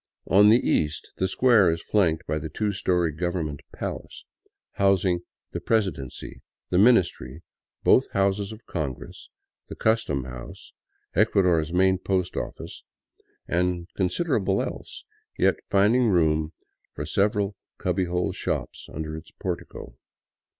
On the east the square is flanked by the two story government " palace," housing the presidency, the ministry, both houses of congress, the custom house, Ecuador's main post office, and considerable else, yet still finding room for sev eral cubby hole shops under its portico.